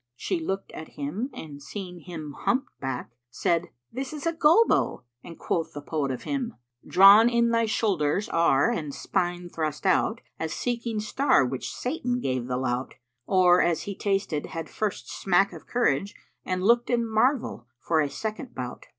She looked at him and seeing him hump backed, said, "This is a Gobbo," and quoth the poet of him, 'Drawn in thy shoulders are and spine thrust out, * As seeking star which Satan gave the lout;[FN#466] Or as he tasted had first smack of scourge * And looked in marvel for a second bout.'